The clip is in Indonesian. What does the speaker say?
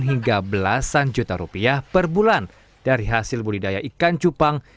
hingga belasan juta rupiah per bulan dari hasil budidaya ikan cupang